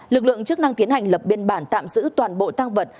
lực lượng chức năng tiến hành lập biên bản tạm giữ toàn bộ tăng vật